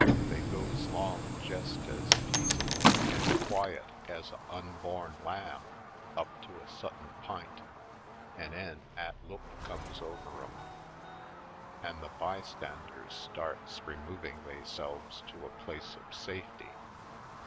They goes 'long jest ez peaceable an' quiet ez a onborn lamb up to a suttin p'int an' 'en 'at look comes over 'em an' the by standers starts removin' theyselves to a place of safety.